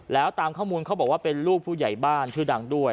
แล้วตามข้อมูลเขาบอกว่าเป็นลูกผู้ใหญ่บ้านชื่อดังด้วย